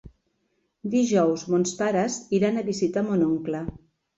Dijous mons pares iran a visitar mon oncle.